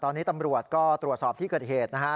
ตอนนี้ตำรวจก็ตรวจสอบที่เกิดเหตุนะฮะ